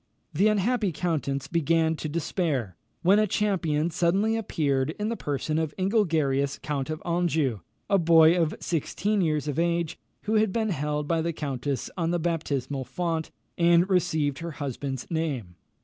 The unhappy countess began to despair, when a champion suddenly appeared in the person of Ingelgerius count of Anjou, a boy of sixteen years of age, who had been held by the countess on the baptismal font, and received her husband's name.